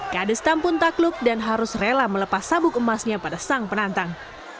kyrgyzstan pun tak luk dan harus rela melepas sabuk emasnya pada sang penantang